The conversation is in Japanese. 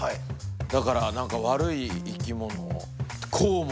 だから何か悪い生き物？